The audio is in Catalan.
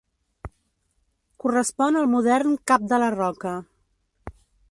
Correspon al modern Cap de la Roca.